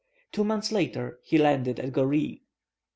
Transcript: Two months later he landed at Goree.